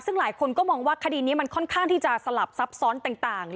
ซึ่งหลายคนก็มองว่าคดีนี้มันค่อนข้างที่จะสลับซับซ้อนต่าง